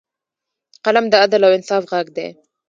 قلم د عدل او انصاف غږ دی